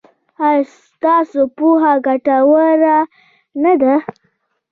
ایا ستاسو پوهه ګټوره نه ده؟